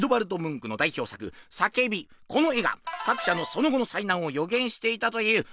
この絵が作者のその後の災難を予言していたという怖いお話！